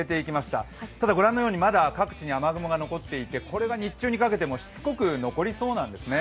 ただ、まだ各地に雨雲が残っていてこれが日中にかけてもしつこく残りそうなんですね。